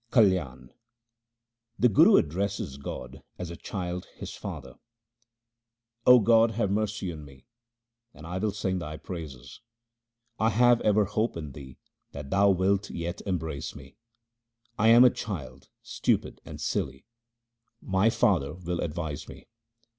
Kalian The Guru addresses God as a child his father :— 0 God have mercy on me, and I will sing Thy praises ! 1 have ever hope in Thee that Thou wilt yet embrace me. I am a child stupid and silly ; my Father will advise me.